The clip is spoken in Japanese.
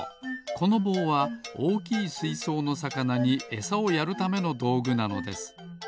このぼうはおおきいすいそうのさかなにエサをやるためのどうぐなのです。